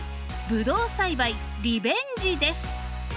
ブドウ栽培リベンジです。